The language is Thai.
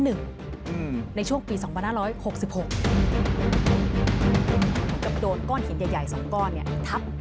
ในช่วงปี๒๑๖๖โดนก้อนหินใหญ่๒ก้อนเนี่ยทับ